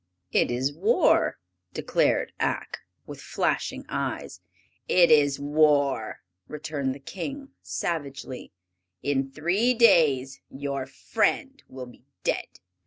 "It is war!" declared Ak, with flashing eyes. "It is war!" returned the King, savagely. "In three days your friend will be dead."